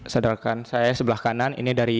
saudara rekan saya sebelah kanan ini dari